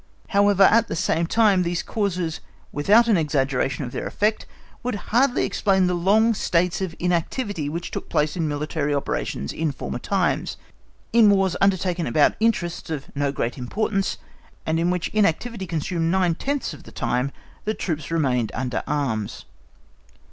However, at the same time these causes without an exaggeration of their effect, would hardly explain the long states of inactivity which took place in military operations, in former times, in Wars undertaken about interests of no great importance, and in which inactivity consumed nine tenths of the time that the troops remained under arms.